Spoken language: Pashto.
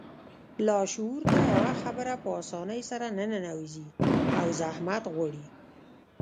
لاشعور ته يوه خبره په آسانۍ سره نه ننوځي او زحمت غواړي.